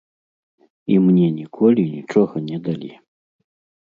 І мне ніколі нічога не далі.